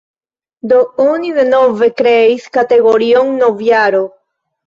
Do, oni denove kreis kategorion "novjaro".